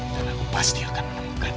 dan aku pasti akan menemukan